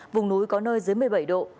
vùng núi có nơi dưới một mươi bảy độ